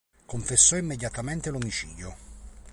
Confessò immediatamente l'omicidio.